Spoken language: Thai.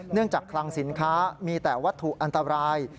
จากคลังสินค้ามีแต่วัตถุอันตราย